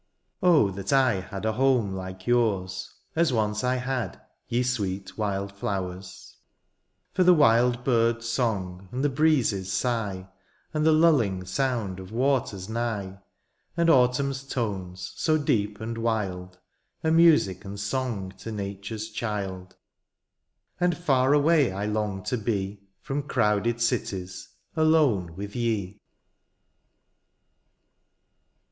149 Oh ! that I had a home like yours^ As once I had, ye sweet wild flowers ; For the wild birds' song, and the breezes' sigh, And the lulling sound of waters nigh. And autumn's tones so deep and wild. Are music and song to nature's child ; And fiar away I long to be. From crowded cities, alone with ye